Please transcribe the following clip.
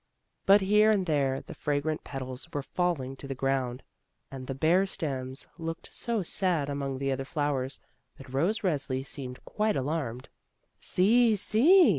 But here and there the fragrant petals were falling to the ground and the bare stems looked so sad among the other flowers, that Rose Resli seemed quite alarmed. "See! see!"